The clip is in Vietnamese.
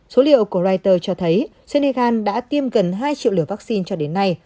số liệu của reuters cho thấy senegal đã tiêm gần hai triệu liều vaccine cho đến nay